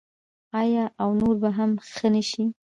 آیا او نور به هم ښه نشي؟